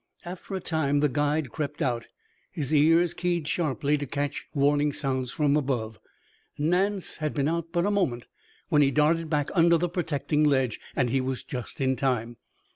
After a time the guide crept out, his ears keyed sharply to catch warning sounds from above. Nance had been out but a moment when he darted back under the protecting ledge. He was just in time.